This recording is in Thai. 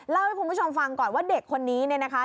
เล่าให้คุณผู้ชมฟังก่อนว่าเด็กคนนี้เนี่ยนะคะ